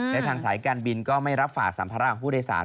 และทางสายการบินก็ไม่รับฝากสัมภาระของผู้โดยสาร